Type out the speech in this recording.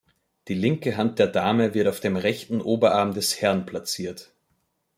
Die linke Hand der Dame wird auf dem rechten Oberarm des Herrn platziert.